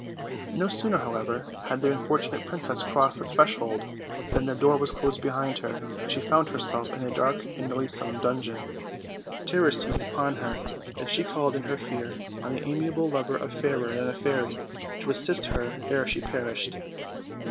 No sooner, however, had the unfortunate princess crossed the threshold than the door was closed behind her, and she found herself in a dark and noisome dungeon. Terror seized upon her, and she called in her fear on the amiable lover of Fairer than a Fairy to assist her ere she perished.